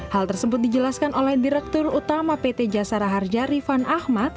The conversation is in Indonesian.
hal tersebut dijelaskan oleh direktur utama pt jasara harja rifan ahmad